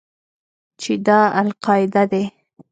چې دا القاعده دى.